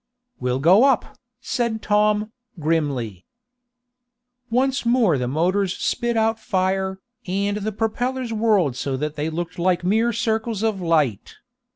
"We'll go up," said Tom, grimly. Once more the motors spit out fire, and the propellers whirled so that they looked like mere circles of light.